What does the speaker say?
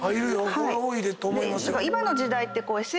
これ多いと思いますよ。